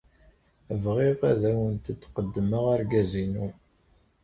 Bɣiɣ ad awent-d-qeddmeɣ argaz-inu.